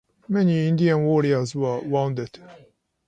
Many Indian warriors were wounded.